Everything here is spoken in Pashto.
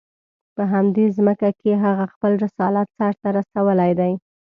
په همدې ځمکه کې هغه خپل رسالت سر ته رسولی دی.